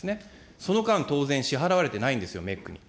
その間、当然支払われてないんですよ、メックに。